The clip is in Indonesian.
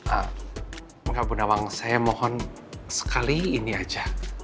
enggak bu nawang saya mohon sekali ini aja